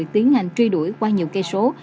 tiến hành truy đuổi qua nhiều cây số